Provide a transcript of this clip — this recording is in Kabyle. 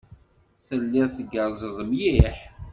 Telliḍ tgerrzeḍ mliḥ.